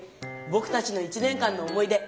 ぼくたちの１年間の思い出。